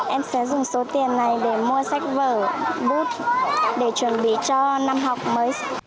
em sẽ dùng số tiền này để mua sách vở bút để chuẩn bị cho năm học mới